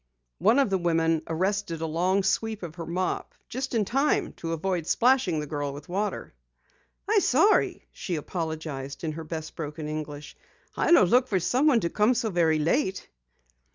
One of the women arrested a long sweep of her mop just in time to avoid splashing the girl with water. "I sorry," she apologized in her best broken English. "I no look for someone to come so very late."